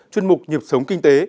chuyên mục nhật sống kinh tế